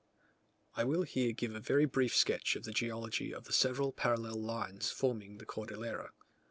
I will here give a very brief sketch of the geology of the several parallel lines forming the Cordillera.